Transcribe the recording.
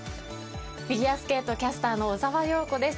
フィギュアスケートキャスターの小澤陽子です。